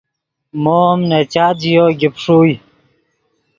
مو ام نے چات ژیو گیپ ݰوئے